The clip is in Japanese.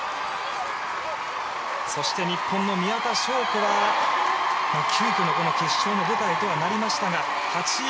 そして日本の宮田笙子は急きょの決勝の舞台となりましたが８位。